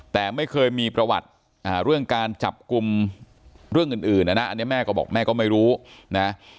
แต่ไม่เคยมีประวัติเรื่องการจับกลุ่มเรื่องอื่นนะนะอันนี้แม่ก็บอกแม่ก็ไม่รู้นะ